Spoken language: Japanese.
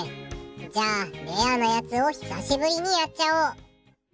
じゃあレアなやつを久しぶりにやっちゃおう。